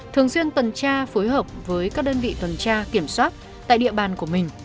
thường xuyên tuần tra phối hợp với các đơn vị tuần tra kiểm soát tại địa bàn của mình